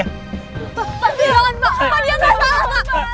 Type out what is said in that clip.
pak pak jangan pak